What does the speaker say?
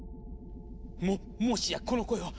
ももしやこの声は。